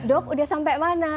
dok udah sampai mana